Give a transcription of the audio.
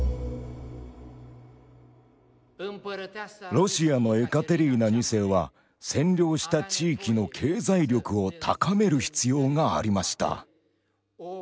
ロシアのエカテリーナ２世は占領した地域の経済力を高める必要がありました。